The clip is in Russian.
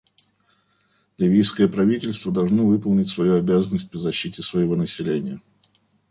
Ливийское правительство должно выполнить свою обязанность по защите своего населения.